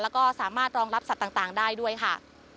แล้วก็สามารถรองรับสัตว์ต่างได้ด้วยค่ะ